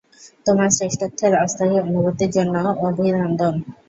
তোমার শ্রেষ্ঠত্বের অস্থায়ী অনুভূতির জন্য অভিনন্দন।